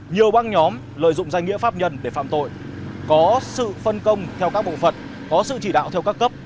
nhiều băng nhóm lợi dụng danh nghĩa pháp nhân để phạm tội có sự phân công theo các bộ phận có sự chỉ đạo theo các cấp